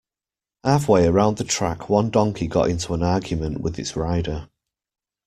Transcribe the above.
Halfway around the track one donkey got into an argument with its rider.